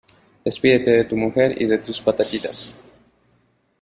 Despídete de tu mujer y de tus patatitas.